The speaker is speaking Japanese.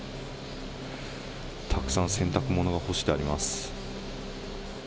たくさん洗濯物が干してあります。